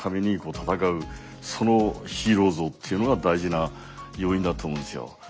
そのヒーロー像というのが大事な要因だと思うんですよ。